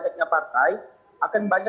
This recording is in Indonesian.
nah itu bagaimana tanggapannya